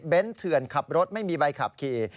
เถื่อนขับรถไม่มีใบขับขี่